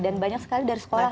dan banyak sekali dari sekolah